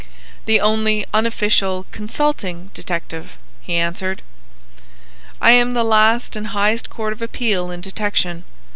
"The only unofficial consulting detective," he answered. "I am the last and highest court of appeal in detection.